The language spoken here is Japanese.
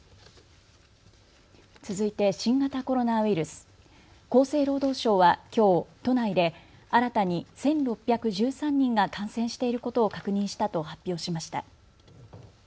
続いて新型コロナウイルス、厚生労働省はきょう都内で新たに１６１３人が感染していることを確認したと発表しました。